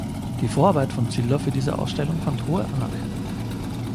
Die Vorarbeit von Ziller für diese Ausstellung fand hohe Anerkennung.